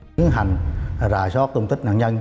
tiến hành rải soát tung tích nạn nhân